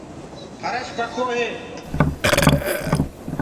ڦرش پڪو هي۔